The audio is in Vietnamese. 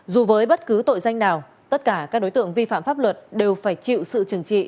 dù với bất cứ tội danh nào tất cả các đối tượng vi phạm pháp luật đều phải chịu sự trừng trị